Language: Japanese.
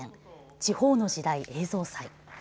「地方の時代」映像祭。